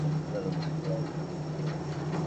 অন্য লোক দিয়ে কথা পাড়লে আরও ভাল হয়।